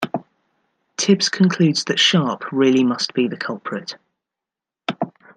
Tibbs concludes that Sharpe really must be the culprit.